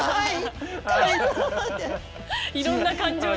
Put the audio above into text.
いろんな感情が。